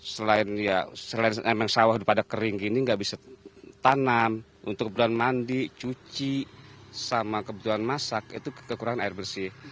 selain ya selain emang sawah pada kering gini nggak bisa tanam untuk kebutuhan mandi cuci sama kebutuhan masak itu kekurangan air bersih